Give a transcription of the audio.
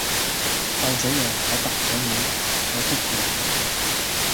就這樣我踏上了韓國的國度